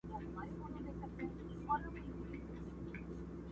o خدايه ما ښه مه کې، ما په ښو خلگو واده کې!.